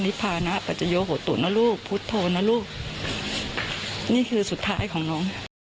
ภานะปัจโยโหตุนะลูกพุทธโธนะลูกนี่คือสุดท้ายของน้อง